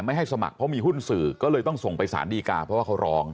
ไม่ให้สมัครเพราะมีหุ้นสื่อก็เลยต้องส่งไปสารดีกาเพราะว่าเขาร้อง